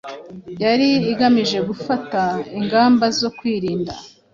yari igamije gufata ingamba zo kwirinda